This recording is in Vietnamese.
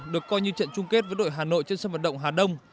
được coi như trận chung kết với đội hà nội trên sân vận động hà đông